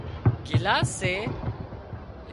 گلاسي سي